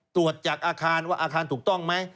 ตรวจจากอาคารว่าอาคารถูกต้องไหม